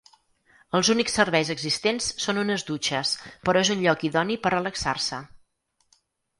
Els únics serveis existents són unes dutxes però és un lloc idoni per relaxar-se.